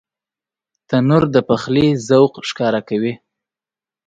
تنور د پخلي ذوق ښکاره کوي